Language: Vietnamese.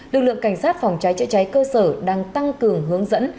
lực lượng cảnh sát phòng cháy chữa cháy cơ sở đang tăng cường hướng dẫn